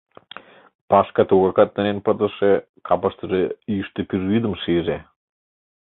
Пашка тугакат нӧрен пытыше капыштыже йӱштӧ пӱжвӱдым шиже.